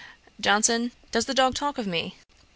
JOHNSON. 'Does the dog talk of me?'